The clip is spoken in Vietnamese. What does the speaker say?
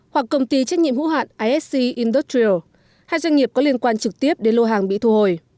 hoặc công ty trách nhiệm hữu hạn isc industrial hai doanh nghiệp có liên quan trực tiếp đến lô hàng bị thu hồi